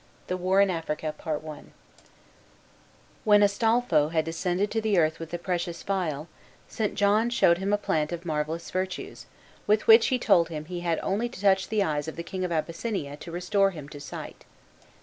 THE WAR IN AFRICA When Astolpho had descended to the earth with the precious phial, St. John showed him a plant of marvellous virtues, with which he told him he had only to touch the eyes of the king of Abyssinia to restore him to sight.